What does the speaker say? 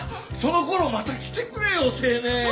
そのころまた来てくれよ青年